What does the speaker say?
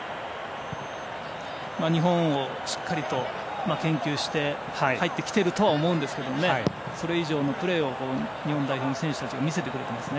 日本をしっかり研究して入ってきているとは思うんですがそれ以上のプレーを日本代表の選手たちは見せてくれていますね。